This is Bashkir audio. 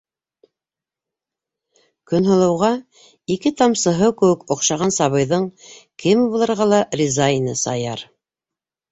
Көнһылыуға ике тамсы һыу кеүек оҡшаған сабыйҙың кеме булырға ла риза ине Саяр.